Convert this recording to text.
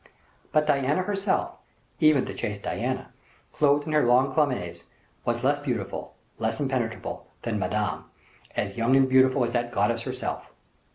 But Diana herself, even the chaste Diana, clothed in her long chlamys, was less beautiful less impenetrable, than Madame, as young and beautiful as that goddess herself.